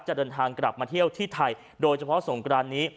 จะเดินทางกลับมาเที่ยวที่ไทยโดยเฉพาะสงกรานนี้